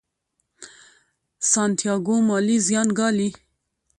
سانتیاګو مالي زیان ګالي.